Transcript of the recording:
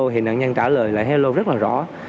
thì nạn nhân trả lời là hello rất là rõ